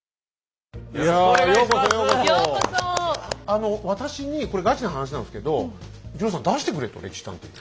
あの私にこれガチな話なんですけど「二朗さん出してくれ」と「歴史探偵」に。